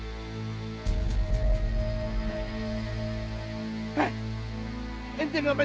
ini ngapain yang gitu aneh